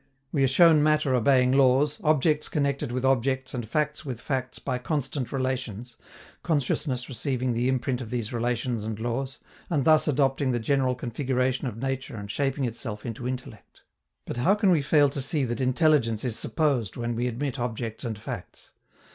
We are shown matter obeying laws, objects connected with objects and facts with facts by constant relations, consciousness receiving the imprint of these relations and laws, and thus adopting the general configuration of nature and shaping itself into intellect. But how can we fail to see that intelligence is supposed when we admit objects and facts?